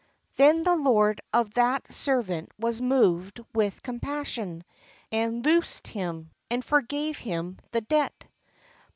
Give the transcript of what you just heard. Then the lord of that servant was moved with compassion, and loosed him, and forgave him the debt.